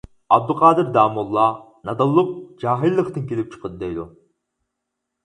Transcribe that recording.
ئابدۇقادىر داموللا «نادانلىق جاھىللىقتىن كېلىپ چىقىدۇ» دەيدۇ.